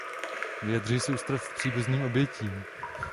Vyjadřuji soustrast příbuzným obětí.